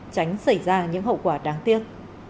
tránh xảy ra những hậu quả đáng tiếc